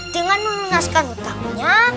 dengan menelaskan utamanya